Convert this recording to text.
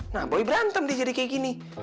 nah boy berantem di jadi kayak gini